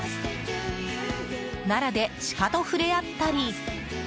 奈良でシカと触れ合ったり。